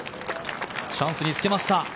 チャンスにつけました。